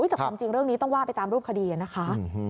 แต่ความจริงเรื่องนี้ต้องว่าไปตามรูปคดีนะคะ